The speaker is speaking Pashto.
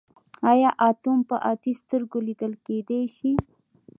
ایا اتوم په عادي سترګو لیدل کیدی شي.